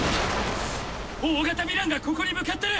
大型ヴィランがここに向かってる！